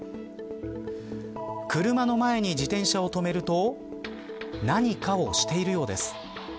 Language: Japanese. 車の前に自転車を止めると何かをしているようです。